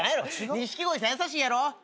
錦鯉さん優しいやろ。